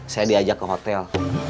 saya diajak ke hotel